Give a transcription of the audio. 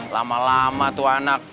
lama lama tuh anak